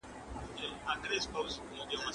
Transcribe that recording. د مظلوم مرغۍ غږ تر اسمانونو پورې ورسېد.